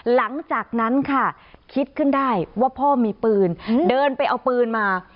หลังจากนั้นค่ะคิดขึ้นได้ว่าพ่อมีปืนเดินไปเอาปืนมา